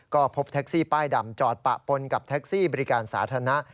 ก็พบแท็กซี่ป้ายดำจอดปะปนกับแท็กซี่บริการสาธารณะ